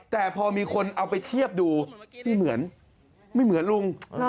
แต่พอมีคนเอาไปเทียบดูนี่เหมือนไม่เหมือนลุง